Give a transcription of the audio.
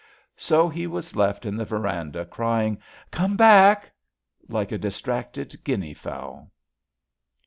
So he was left in the verandah crjring " Come back " like a distracted guinea fowl.